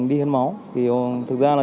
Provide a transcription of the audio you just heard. đi hiên máu thực ra là